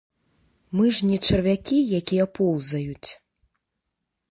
Мы ж не чарвякі, якія поўзаюць.